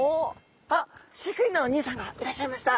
あっ飼育員のおにいさんがいらっしゃいました。